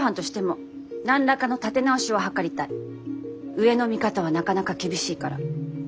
上の見方はなかなか厳しいから。